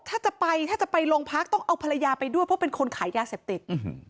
ถ้าจะไปถ้าจะไปโรงพักต้องเอาภรรยาไปด้วยเพราะเป็นคนขายยาเสพติด